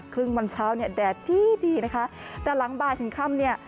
ครึ่งวันเช้าแดดดีนะคะแต่หลังบ่ายถึงค่ำเนี่ย